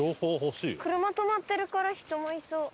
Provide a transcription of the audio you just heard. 車止まってるから人もいそう。